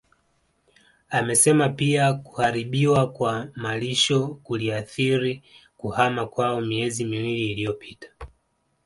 Amesema pia kuharibiwa kwa malisho kuliathiri kuhama kwao miezi miwili iliyopita